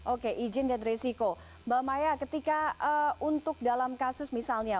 oke izin dan resiko mbak maya ketika untuk dalam kasus misalnya